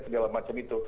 segala macam itu